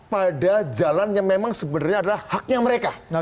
pada jalan yang memang sebenarnya adalah haknya mereka